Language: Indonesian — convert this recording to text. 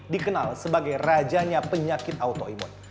dikenal sebagai rajanya penyakit autoimun